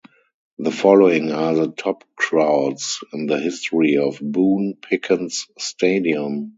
The following are the top crowds in the history of Boone Pickens Stadium.